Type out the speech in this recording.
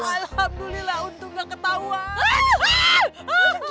alhamdulillah untung gak ketauan